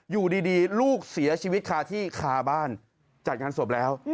อยู่ดีลูกเสียชีวิตคาที่คาบ้านจัดงานศพแล้ว